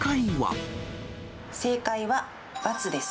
正解は、×です。